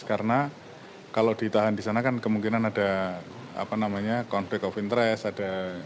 karena kalau ditahan di sana kan kemungkinan ada konflik of interest